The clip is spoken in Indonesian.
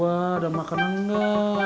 ada makan engga